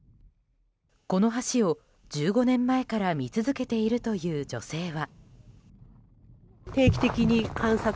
この橋を１５年前から見続けているという女性は。